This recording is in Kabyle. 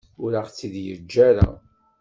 Ur aɣ-tt-id-yeǧǧa ara.